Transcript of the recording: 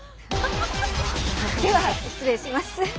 では失礼します。